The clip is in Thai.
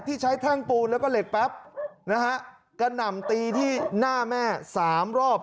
ที่ใช้แท่งปูนแล้วก็เหล็กแป๊บนะฮะกระหน่ำตีที่หน้าแม่สามรอบ